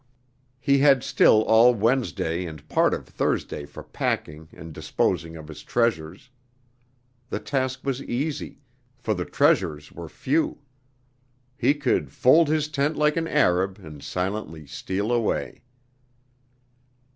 He had still all Wednesday and part of Thursday for packing and disposing of his treasures. The task was easy, for the treasures were few. He could "fold his tent like an Arab, and silently steal away."